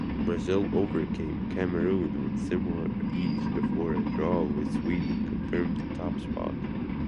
Brazil overcame Cameroon with similar ease before a draw with Sweden confirmed top spot.